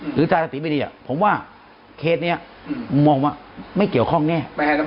หรือท่าระติไม่ดีอ่ะผมว่าเคสเนี่ยมุมมองว่าไม่เกี่ยวข้องแน่